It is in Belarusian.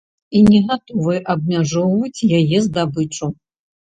І не гатовы абмяжоўваць яе здабычу.